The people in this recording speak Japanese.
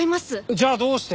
じゃあどうして？